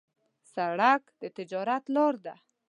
سړک د تجارت لار ده.